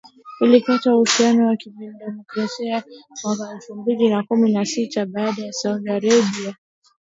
Ilikata uhusiano wa kidiplomasia mwaka elfu mbili kumi na sita, baada ya Saudi Arabia kumuua kiongozi maarufu wa kishia, aliyejulikana kama Nimr al-Nimr